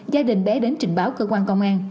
gia đình bé đến trình báo cơ quan công an